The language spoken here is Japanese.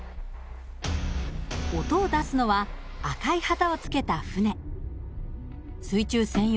音を出すのは赤い旗をつけた船。